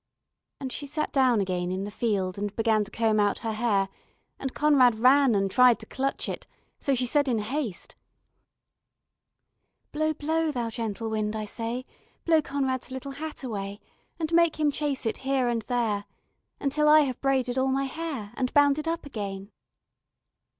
And she sat down again in the field and began to comb out her hair, and Conrad ran and tried to clutch it, so she said in haste: "Blow, blow, thou gentle wind, I say, Blow Conrad's little hat away, And make him chase it here and there, Until I have braided all my hair, And bound it up again.